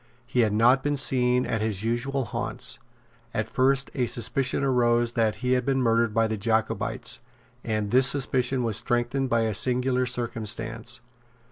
He had not been seen at his usual haunts. At first a suspicion arose that he had been murdered by the Jacobites; and this suspicion was strengthened by a singular circumstance.